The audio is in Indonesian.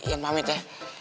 ian pamit ya